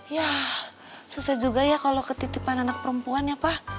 yah susah juga ya kalo ketitipan anak perempuan ya pa